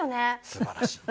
すばらしい。